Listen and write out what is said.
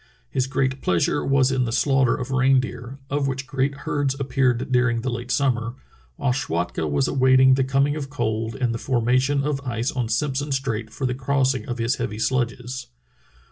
His great pleasure was in the slaughter of reindeer, of which great herds appeared during the late summer, while Schwatka was awaiting the coming of cold and the formation of ice on Simpson Strait for the crossing of his heavy sledges.